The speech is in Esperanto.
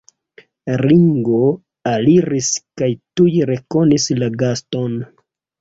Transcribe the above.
Ringo aliris kaj tuj rekonis la gaston.